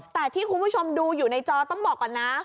แต่ที่คุณผู้ชมดูอยู่ในจอต้องบอกก่อนนะ